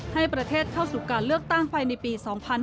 ให้ประเทศเข้าสู่การเลือกตั้งภายในปี๒๕๕๙